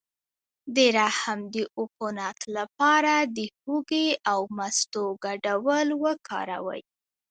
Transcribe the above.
د رحم د عفونت لپاره د هوږې او مستو ګډول وکاروئ